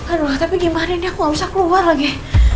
aduh tapi gimana nih aku gak usah keluar lagi